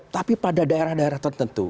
tapi pada daerah daerah tertentu